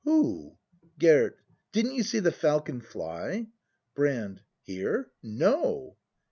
Who? Gerd. Didn't you see the falcon fly? Brand. Here ? No.